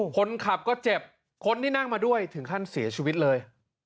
คนขับก็เจ็บคนที่นั่งมาด้วยถึงขั้นเสียชีวิตเลย